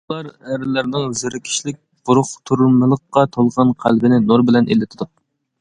ئۇلار ئەرلەرنىڭ زېرىكىشلىك، بۇرۇقتۇرمىلىققا تولغان قەلبىنى نۇر بىلەن ئىللىتىدۇ.